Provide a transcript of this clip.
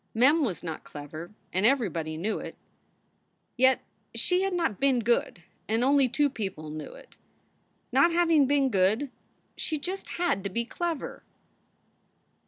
Mem was not clever, and everybody knew it. Yet she had not been good, and only two people knew it. Not having been good, she just had to be clever.